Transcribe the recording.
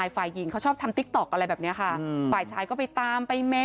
ฝ่ายชายอายุ๑๘ปี